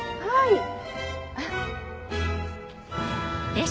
はい。